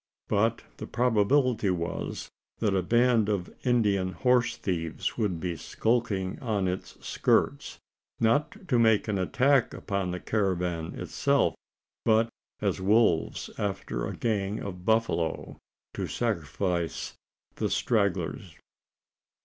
But the probability was, that a band of Indian horse thieves would be skulking on its skirts not to make an attack upon the caravan itself but as wolves after a gang of buffalo, to sacrifice the stragglers.